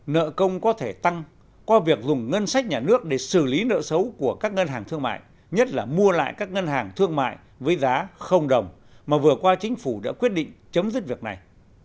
nợ công có thể tăng qua việc dùng ngân sách nhà nước để xử lý nợ xấu của các ngân hàng thương mại nhất là mua lại các ngân hàng thương mại với giá không đồng mà vừa qua chính phủ đã quyết định chấm dứt việc này